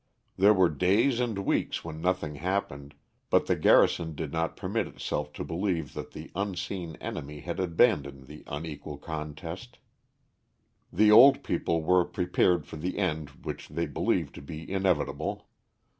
There were days and weeks when nothing happened, but the garrison did not permit itself to believe that the unseen enemy had abandoned the unequal contest. The old people were prepared for the end which they believed to be inevitable.